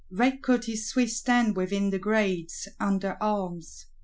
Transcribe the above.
Red coated Swiss stand within the Grates, under arms.